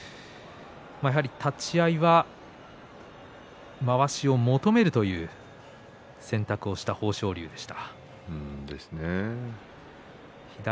やはり立ち合いはまわしを求めるという選択をした豊昇龍でした。